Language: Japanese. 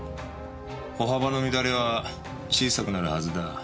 歩幅の乱れは小さくなるはずだ。